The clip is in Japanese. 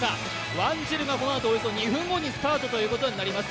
ワンジルがこのあとおよそ２分後にスタートということになります。